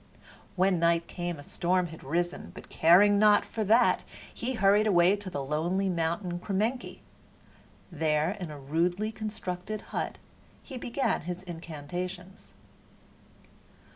When night came a storm had risen, but caring not for that he hurried away to the lonely mountain Kremenki. There, in a rudely constructed hut, he began his incantations.